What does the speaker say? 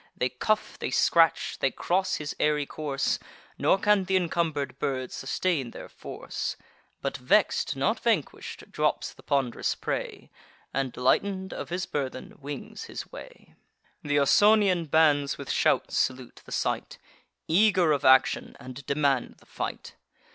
They cuff, they scratch, they cross his airy course; Nor can th' incumber'd bird sustain their force; But vex'd, not vanquish'd, drops the pond'rous prey, And, lighten'd of his burthen, wings his way. Th' Ausonian bands with shouts salute the sight, Eager of action, and demand the fight.